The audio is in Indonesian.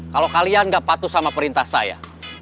kalau kalian gak patuh sama perintah saya